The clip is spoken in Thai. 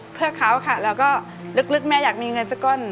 เพื่อเขาค่ะแล้วก็ลึกแม่อยากมีเงินสักก้อน